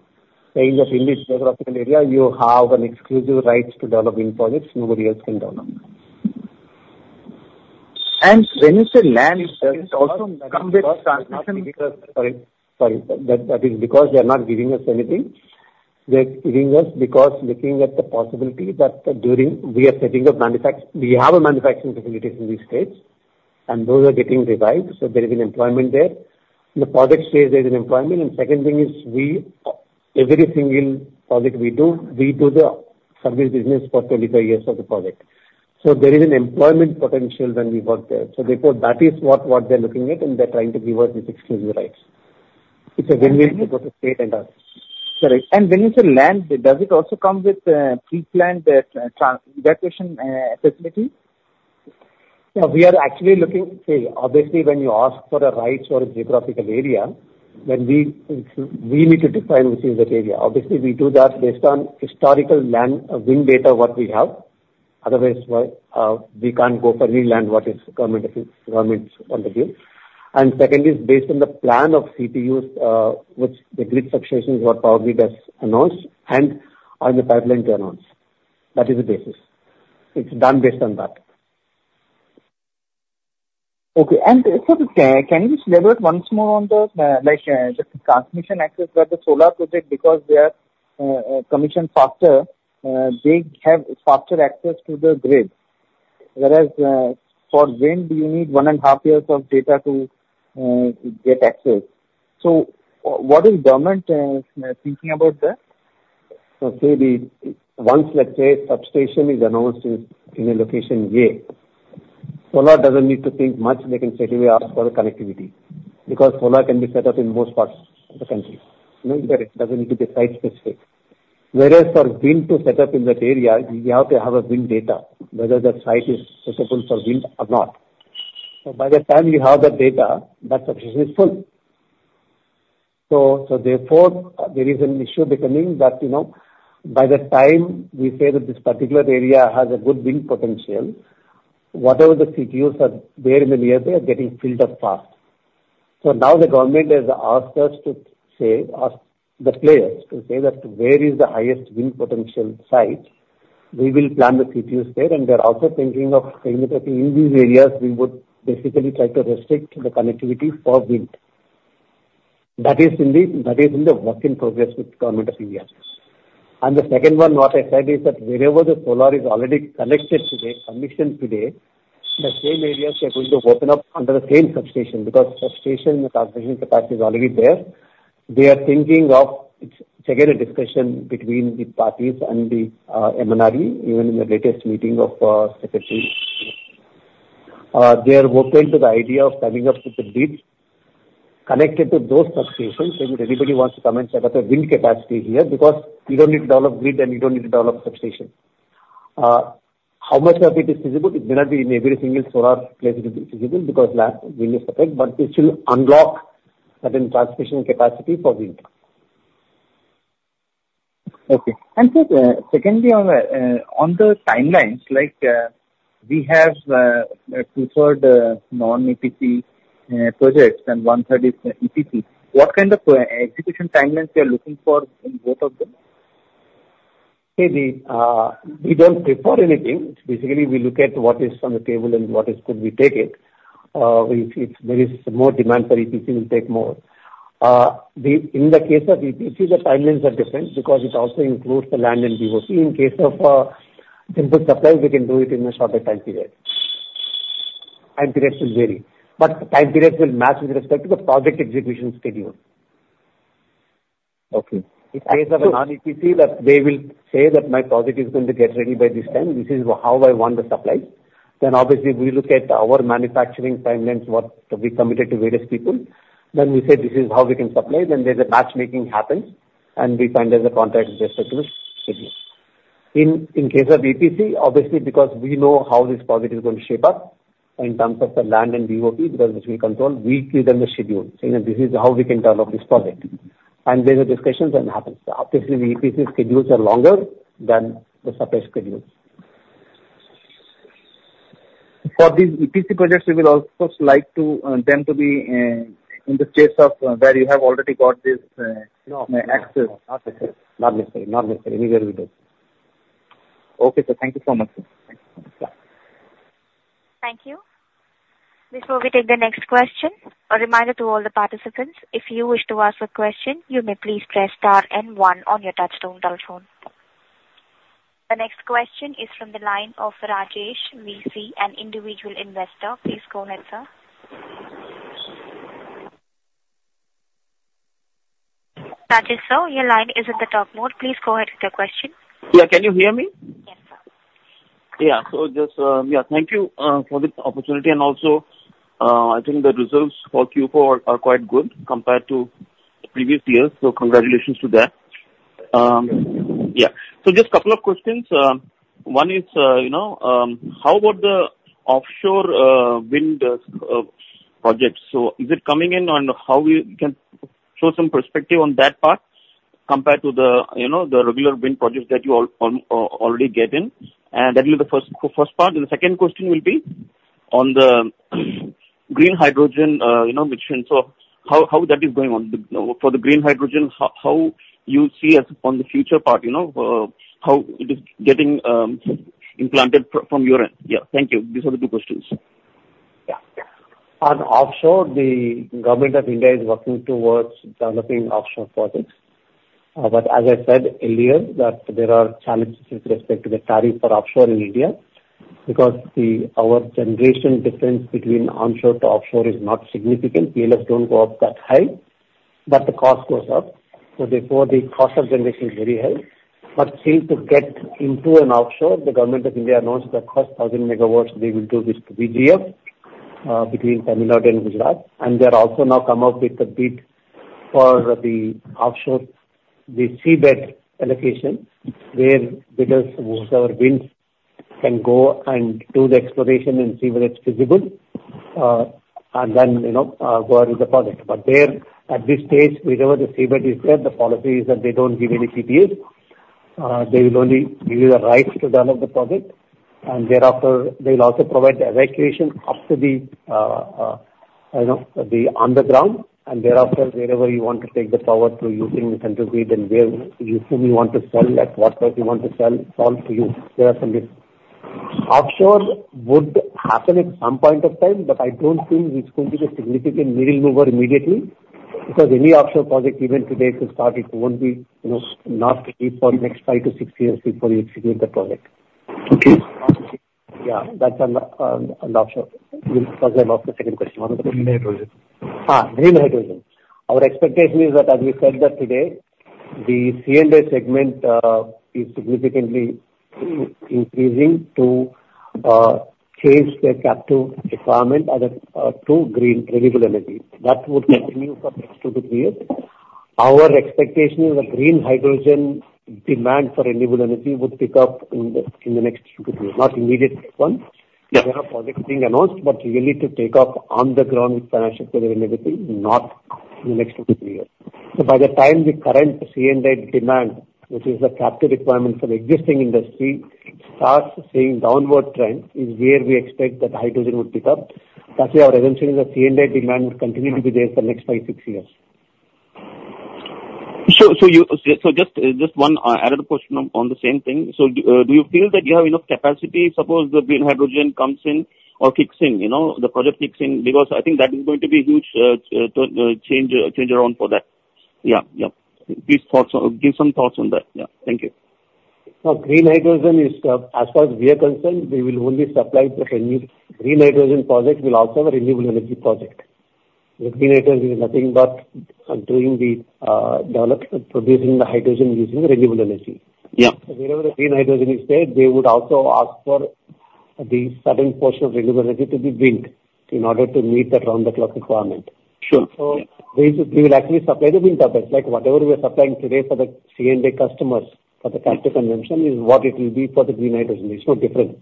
saying that in this geographical area, you have an exclusive rights to developing projects, nobody else can develop. When you say land, it also come with- Sorry, sorry. That, that is because they are not giving us anything. They're giving us because looking at the possibility that, during we are setting up manufacturing facilities in these states, and those are getting revised, so there is an employment there. In the project phase, there is an employment, and second thing is we, every single project we do, we do the service business for 25 years of the project. So there is an employment potential when we work there. So therefore, that is what, what they're looking at, and they're trying to give us these exclusive rights. It's a win-win for the state and us. Sorry. And when you say land, does it also come with pre-planned transmission evacuation facility? We are actually looking... See, obviously, when you ask for the rights for a geographical area, then we need to define within that area. Obviously, we do that based on historical land wind data what we have. Otherwise, we can't go for any land that the government wants to give. And second is based on the plan of CTUs, which the grid connections that Power Grid has announced and in the pipeline to announce. That is the basis. It's done based on that. Okay. Sir, can you just elaborate once more on the, like, the transmission access for the solar project? Because they are commissioned faster, they have faster access to the grid. Whereas, for wind, you need one and a half years of data to get access. So what is government thinking about that? So, say the once, let's say, substation is announced in a location A, solar doesn't need to think much. They can straightaway ask for a connectivity, because solar can be set up in most parts of the country. You know, it doesn't need to be site specific. Whereas for wind to set up in that area, you have to have a wind data, whether that site is suitable for wind or not. So by the time you have that data, that substation is full. So therefore, there is an issue becoming that, you know, by the time we say that this particular area has a good wind potential, whatever the CTUs are there in the near, they are getting filled up fast. So now the government has asked us to say, ask the players to say that where is the highest wind potential site, we will plan the CTUs there. And they are also thinking of saying that in these areas, we would basically try to restrict the connectivity for wind. That is in the work in progress with Government of India. And the second one, what I said is that wherever the solar is already connected today, commissioned today, the same areas are going to open up under the same substation, because substation, the transmission capacity is already there. They are thinking of, it's again, a discussion between the parties and the, MNRE, even in the latest meeting of, secretary. They are open to the idea of coming up with a bid connected to those substations, so if anybody wants to come and set up a wind capacity here, because you don't need to develop grid and you don't need to develop substation. How much of it is feasible? It may not be in every single solar place it will be feasible because land wind is perfect, but it will unlock certain transmission capacity for wind. Okay. And so, secondly, on the timelines, like, we have two-thirds non-EPC projects and one-third is EPC. What kind of execution timelines we are looking for in both of them? Okay. The, we don't prefer anything. Basically, we look at what is on the table and what is could we take it. If, if there is more demand for EPC, we'll take more. In the case of EPC, the timelines are different because it also includes the land and BoP. In case of, simple supply, we can do it in a shorter time period. Time period is varying, but time period will match with respect to the project execution schedule. Okay. In case of a non-EPC, that they will say that my project is going to get ready by this time, this is how I want the supply. Then obviously we look at our manufacturing timelines, what we committed to various people. Then we say, "This is how we can supply." Then there's a matchmaking happens, and we sign a contract with respect to the schedule. In case of EPC, obviously, because we know how this project is going to shape up in terms of the land and BoP, because which we control, we give them the schedule, saying, "This is how we can develop this project." And there are discussions and happens. Obviously, the EPC schedules are longer than the supply schedules. For these EPC projects, we will also like to them to be in the case of where you have already got this access. Not necessary. Not necessary. Not necessary. Anywhere we do. Okay, sir. Thank you so much, sir. Thank you. Before we take the next question, a reminder to all the participants, if you wish to ask a question, you may please press star and one on your touchtone telephone. The next question is from the line of Rajesh VC, an individual investor. Please go ahead, sir. Rajesh sir, your line is in the talk mode. Please go ahead with your question. Yeah. Can you hear me? Yes, sir. Yeah. So just, yeah, thank you for the opportunity. And also, I think the results for Q4 are quite good compared to previous years, so congratulations to that. Yeah. So just couple of questions. One is, you know, how about the offshore wind projects? So is it coming in on how we can show some perspective on that part compared to the, you know, the regular wind projects that you already get in? And that will be the first, first part. And the second question will be on the Green Hydrogen, you know, mission. So how, how that is going on? For the Green Hydrogen, how, how you see as on the future part, you know, how it is getting implemented from, from your end? Yeah. Thank you. These are the two questions. Yeah. On offshore, the government of India is working towards developing offshore projects. But as I said earlier, that there are challenges with respect to the tariff for offshore in India, because the, our generation difference between onshore to offshore is not significant. PLFs don't go up that high, but the cost goes up. So therefore, the cost of generation is very high. But still to get into an offshore, the government of India announced the first 1,000 megawatts they will do with VGF, between Tamil Nadu and Gujarat. And they're also now come up with a bid for the offshore, the seabed allocation, where bidders who win can go and do the exploration and see whether it's feasible, and then, you know, go ahead with the project. But there, at this stage, wherever the seabed is there, the policy is that they don't give any PPAs. They will only give you the rights to develop the project, and thereafter they'll also provide the evacuation up to the, you know, the underground, and thereafter, wherever you want to take the power through using the central grid, and where you, whom you want to sell, at what price you want to sell, it's all to you. There are some risks. Offshore would happen at some point of time, but I don't think it's going to be the significant needle mover immediately, because any offshore project, even today, to start, it won't be, you know, not ready for next 5-6 years before you execute the project. Okay. Yeah, that's on offshore. We'll discuss about the second question. What was the second? Green hydrogen. Ah, green hydrogen. Our expectation is that, as we said that today, the C&I segment is significantly increasing to change their captive requirement as a to green renewable energy. That would continue for next 2-3 years. Our expectation is that green hydrogen demand for renewable energy would pick up in the, in the next 2-3 years, not immediate one... There are projects being announced, but really to take off on the ground financial delivery, maybe not in the next 2-3 years. So by the time the current C&I demand, which is the captive requirements for the existing industry, starts seeing downward trend, is where we expect that hydrogen would pick up. That's why our assumption is that C&I demand will continue to be there for the next 5-6 years. So just one added question on the same thing. So do you feel that you have enough capacity, suppose the green hydrogen comes in or kicks in, you know, the project kicks in? Because I think that is going to be a huge change around for that. Yeah, yeah. Please give some thoughts on that. Yeah. Thank you. Now, Green Hydrogen is, as far as we are concerned, we will only supply the Green Hydrogen project will also have a renewable energy project. The Green Hydrogen is nothing but doing the development, producing the hydrogen using renewable energy. Yeah. Wherever the green hydrogen is there, they would also ask for the certain portion of renewable energy to be built in order to meet the round-the-clock requirement. Sure. So we will actually supply the wind turbines, like whatever we are supplying today for the C&I customers, for the captive consumption, is what it will be for the green hydrogen. It's no different.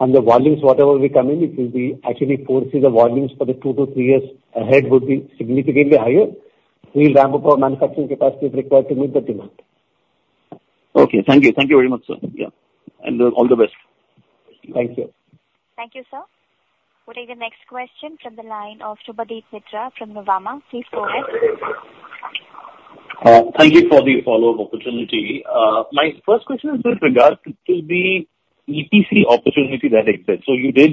And the volumes, whatever will be coming, it will be actually foresee the volumes for the 2-3 years ahead would be significantly higher. We'll ramp up our manufacturing capacity as required to meet the demand. Okay, thank you. Thank you very much, sir. Yeah, and, all the best. Thank you. Thank you, sir. We'll take the next question from the line of Subhadip Mitra from Nuvama. Please go ahead. Thank you for the follow-up opportunity. My first question is with regard to the EPC opportunity that exists. So you did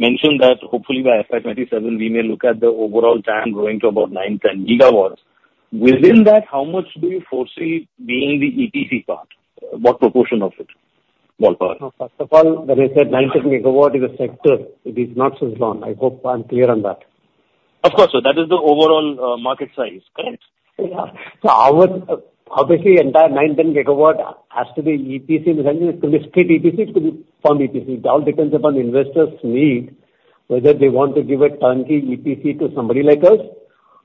mention that hopefully by FY 2027, we may look at the overall TAM growing to about 9-10 GW. Within that, how much do you foresee being the EPC part? What proportion of it, ballpark? First of all, when I said 9-10 GW is a sector, it is not Suzlon. I hope I'm clear on that. Of course, sir, that is the overall, market size, correct? Yeah. So our, obviously, entire 9-10 GW has to be EPC. And it could be state EPC, it could be fund EPC. It all depends upon the investors' need, whether they want to give a turnkey EPC to somebody like us,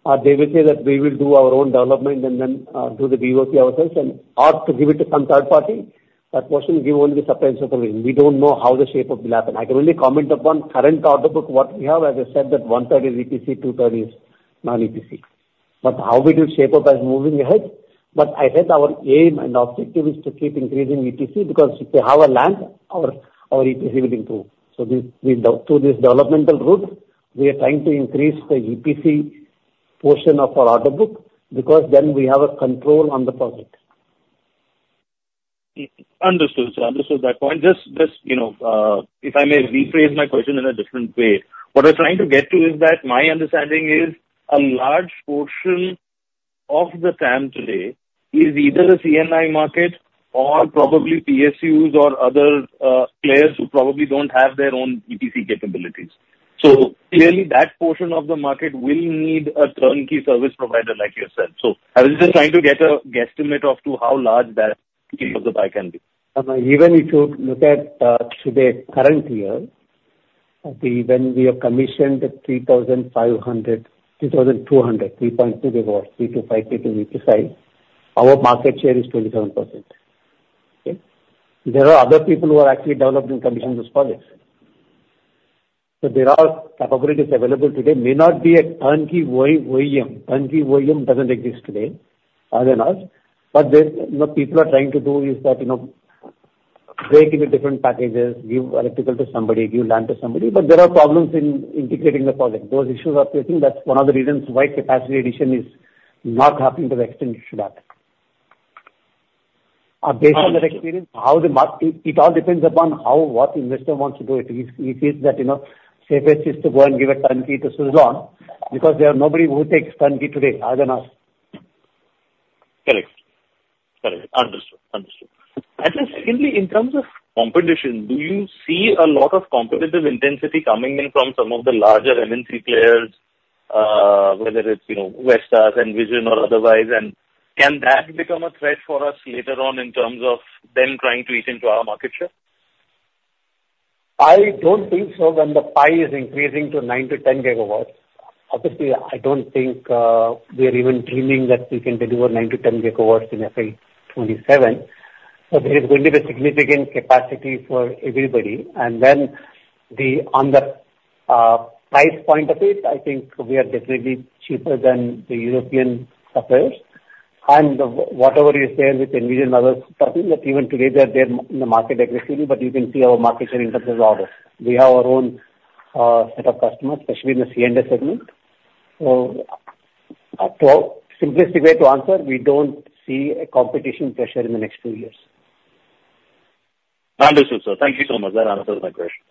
or they will say that we will do our own development and then, do the BOP ourselves and, or give it to some third party. That portion will only be substantial. We don't know how the shape of will happen. I can only comment upon current order book, what we have, as I said, that one-third is EPC, two-third is non-EPC. But how it will shape up as moving ahead? But I said our aim and objective is to keep increasing EPC, because if they have a land, our, our EPC will improve. So this, through this developmental route, we are trying to increase the EPC portion of our order book, because then we have a control on the project. Understood, sir. Understood that point. Just, you know, if I may rephrase my question in a different way. What I'm trying to get to is that my understanding is a large portion of the TAM today is either a C&I market or probably PSUs or other players who probably don't have their own EPC capabilities. So clearly that portion of the market will need a turnkey service provider like yourself. So I was just trying to get a guesstimate of to how large that piece of the pie can be. Even if you look at today, current year, okay, when we have commissioned 3,500, 3,200, 3.2 GW, 3-5, 3 to EPC side, our market share is 27%. Okay? There are other people who are actually developing, commissioning those projects. So there are capabilities available today. May not be a turnkey OEM. Turnkey OEM doesn't exist today, other than us. But there, you know, people are trying to do is that, you know, break into different packages, give electrical to somebody, give land to somebody, but there are problems in integrating the project. Those issues are facing, that's one of the reasons why capacity addition is not happening to the extent it should happen. Based on that experience, it all depends upon how, what the investor wants to do. If he's that, you know, safest is to go and give a turnkey to Suzlon, because there are nobody who takes turnkey today, other than us. Correct. Correct. Understood. Understood. And then secondly, in terms of competition, do you see a lot of competitive intensity coming in from some of the larger MNC players, whether it's, you know, Vestas, Envision or otherwise? And can that become a threat for us later on in terms of them trying to eat into our market share? I don't think so, when the pie is increasing to 9-10 GW. Obviously, I don't think, we are even dreaming that we can deliver 9-10 GW in FY 2027. So there is going to be a significant capacity for everybody. And then the, on the, price point of it, I think we are definitely cheaper than the European suppliers. And whatever you say with Envision and others, that even today they are there in the market aggressively, but you can see our market share in terms of orders. We have our own, set of customers, especially in the C&I segment. So, so simplest way to answer, we don't see a competition pressure in the next two years. Understood, sir. Thank you so much. That answers my question.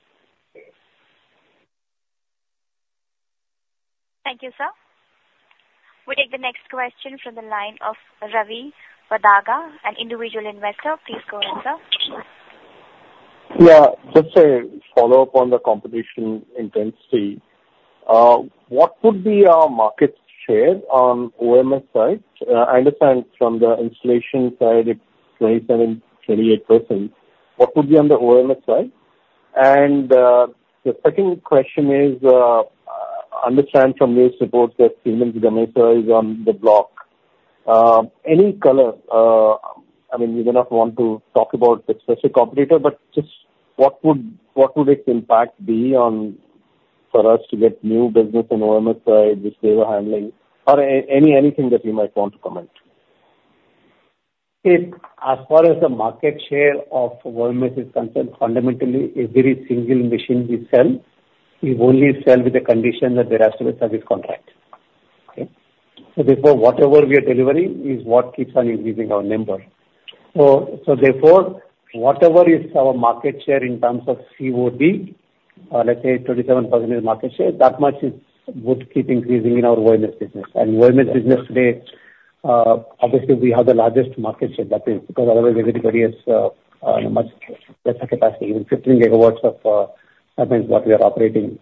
Thank you, sir. We'll take the next question from the line of Ravi Vadaga, an individual investor. Please go ahead, sir. Yeah, just a follow-up on the competition intensity. What would be our market share on the O&M side? I understand from the installation side, it's 27%-28%. What would be on the O&M side? And, the second question is, I understand from news reports that Siemens Gamesa is on the block. Any color, I mean, you may not want to talk about the specific competitor, but just what would, what would its impact be on, for us to get new business in O&M side, which they were handling, or any, anything that you might want to comment? If, as far as the market share of O&M is concerned, fundamentally, every single machine we sell, we only sell with the condition that there has to be a service contract. Okay? So therefore, whatever we are delivering is what keeps on increasing our number. So, so therefore, whatever is our market share in terms of COD, let's say 27% market share, that much is, would keep increasing in our O&M business. And O&M business today, obviously we have the largest market share, that is because otherwise everybody has, much lesser capacity, even 15 GW of, that means what we are operating.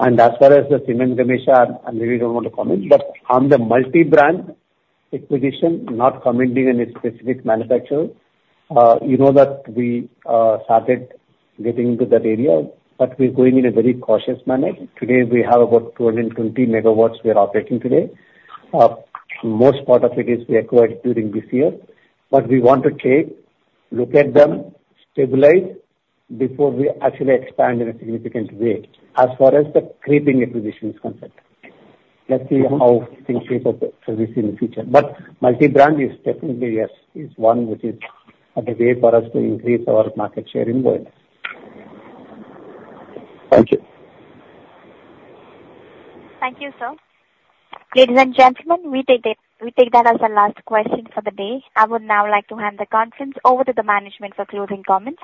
As far as the Siemens Gamesa, I really don't want to comment, but on the multi-brand acquisition, not commenting on any specific manufacturer. You know that we started getting into that area, but we're going in a very cautious manner. Today, we have about 220 MW we are operating today. Most part of it is we acquired during this year. But we want to take, look at them, stabilize, before we actually expand in a significant way as far as the creeping acquisition is concerned. Let's see how things shape up for this in the future. But multi-brand is definitely, yes, is one which is a way for us to increase our market share in O&M. Thank you. Thank you, sir. Ladies and gentlemen, we take that, we take that as the last question for the day. I would now like to hand the conference over to the management for closing comments.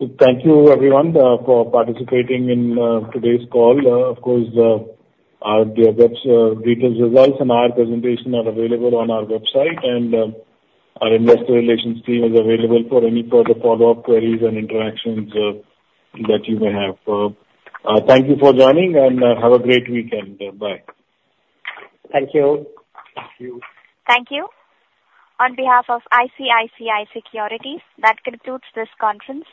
Thank you, everyone, for participating in today's call. Of course, our details, results, and our presentation are available on our website, and our investor relations team is available for any further follow-up queries and interactions that you may have. Thank you for joining, and have a great weekend. Bye. Thank you. Thank you. Thank you. On behalf of ICICI Securities, that concludes this conference.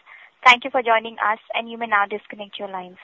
Thank you for joining us, and you may now disconnect your lines.